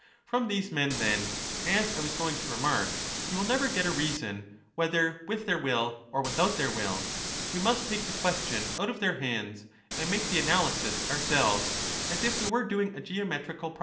From these men, then, as I was going to remark, you will never get a reason, whether with their will or without their will ; we must take the question out of their hands, and make the analysis ourselves, as if we were doing a geometrical problem.